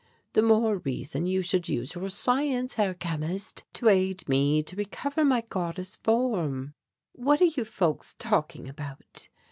"The more reason you should use your science, Herr Chemist, to aid me to recover my goddess form." "What are you folks talking about?"